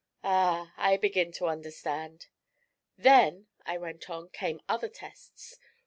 'Ah! I begin to understand.' 'Then,' I went on, 'came other tests.